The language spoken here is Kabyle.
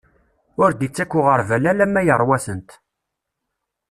Ur d-ittak uɣerbal, alamma iṛwa-tent.